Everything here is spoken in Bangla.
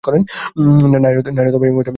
নায়না এই মুহূর্তে এই ভিডিও পোস্ট করেছে।